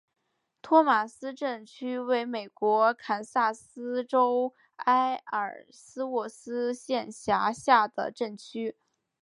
托马斯镇区为美国堪萨斯州埃尔斯沃思县辖下的镇区。